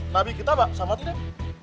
nabi kita sama tidak